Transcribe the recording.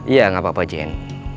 iya gak apa apa jen